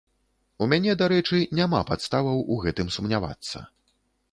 У мяне, дарэчы, няма падставаў у гэтым сумнявацца.